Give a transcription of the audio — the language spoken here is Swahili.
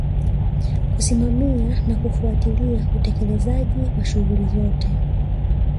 Kusimamia na kufuatilia utekelezaji wa shughuli zote